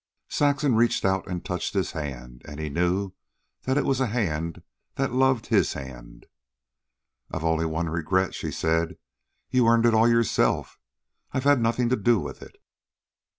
Saxon reached out and touched his hand, and he knew that it was a hand that loved his hand. "I've only one regret," she said. "You've earned it all yourself. I've had nothing to do with it."